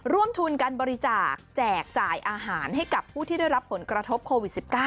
ร่วมทุนการบริจาคแจกจ่ายอาหารให้กับผู้ที่ได้รับผลกระทบโควิด๑๙